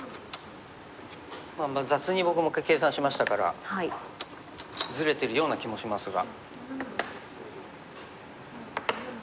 雑に僕も計算しましたからずれてるような気もしますが。